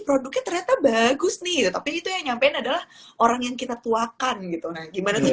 produknya ternyata bagus nih tapi itu yang nyampein adalah orang yang kita tuakan gitu nah gimana tuh